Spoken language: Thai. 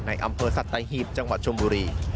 ในห้องอำเภอสัตว์ไต้ฮีพจังหวัดชมบุรี